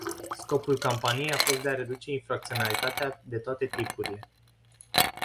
Scopul campaniei a fost de a reduce infracționalitatea de toate tipurile.